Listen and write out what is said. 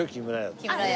木村屋。